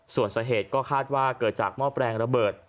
ส่วนสาเหตุก็คาดว่าเกิดจากหม้อแปลงระเบิด